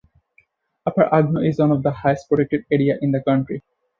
Upper Agno is one of the highest protected areas in the country.